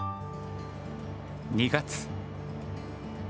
２月。